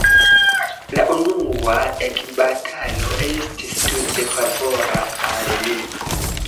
La unua ekbatalo estis tute favora al ni.